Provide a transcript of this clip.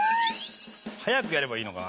速くやればいいのかな？